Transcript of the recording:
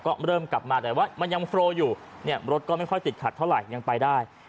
ก็เริ่มกลับมาแต่ว่ามันยังโฟลอยู่เนี่ยรถก็ไม่ค่อยติดขัดเท่าไหร่ยังไปได้